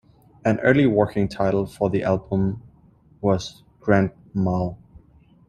An early working title for the album was "Grand Mal".